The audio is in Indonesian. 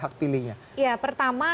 hak pilihnya ya pertama